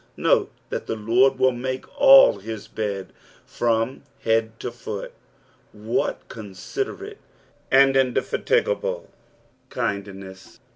Note that the Lord will make all his bed, from head ti> foot. Wlint considerate and indefatigable kindness!